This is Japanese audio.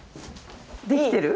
できてる？